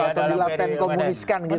atau dilapten komuniskan gitu